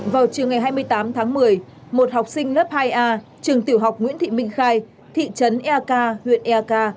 vào trưa ngày hai mươi tám tháng một mươi một học sinh lớp hai a trường tiểu học nguyễn thị minh khai thị trấn ek huyện ek